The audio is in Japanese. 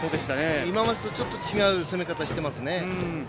今までとちょっと違う攻め方をしていますよね。